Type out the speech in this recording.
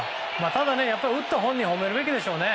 ただ、打った本人を褒めるべきでしょうね。